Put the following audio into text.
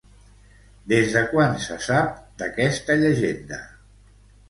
Des de quan se sap d'aquesta llegenda?